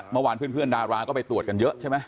เมื่อวานเพื่อนดาราก็ไปตรวจกันเยอะใช่ไหม